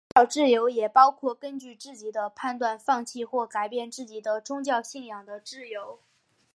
宗教自由也包括根据自己的判断放弃或改变自己的宗教信仰的自由。